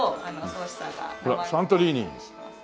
ほらサントリーニ。